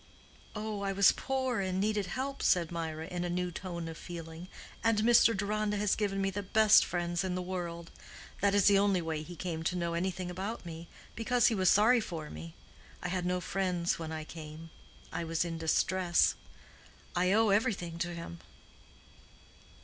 "Oh, I was poor and needed help," said Mirah, in a new tone of feeling, "and Mr. Deronda has given me the best friends in the world. That is the only way he came to know anything about me—because he was sorry for me. I had no friends when I came. I was in distress. I owe everything to him."